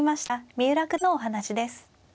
三浦九段のお話です。